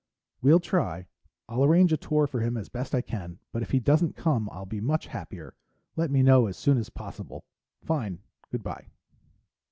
"Well, try. I'll arrange a tour for him as best I can, but if he doesn't come, I'll be much happier. Let me know as soon as possible. Fine. Good by."